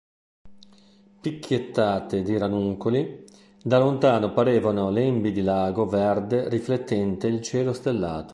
Picchiettate di ranuncoli, da lontano parevano lembi di lago verde riflettente il cielo stellato.